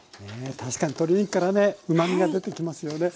確かに鶏肉からねうまみが出てきますよね。